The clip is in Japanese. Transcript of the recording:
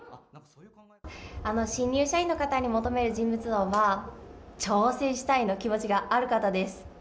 新入社員の方に求める人物像は挑戦したい気持ちがある方です。